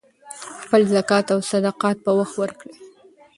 خپل زکات او صدقات په وخت ورکړئ.